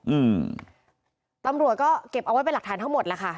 อืมตำรวจก็เก็บเอาไว้เป็นหลักฐานทั้งหมดแล้วค่ะ